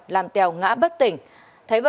làm tèo ngã bất tỉnh